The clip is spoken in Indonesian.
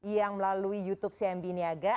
yang melalui youtube cmb niaga